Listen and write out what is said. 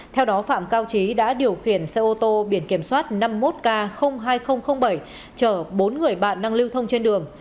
theo đó phạm cao trí đã điều khiển xe ô tô biển kiểm soát năm mươi một k hai nghìn bảy chở bốn người bạn đang lưu thông trên đường